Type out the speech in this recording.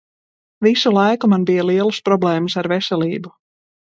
Visu laiku man bija lielas problēmas ar veselību.